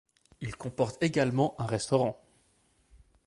Il comporte également un restaurant.